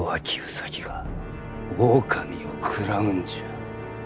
兎が狼を食らうんじゃ。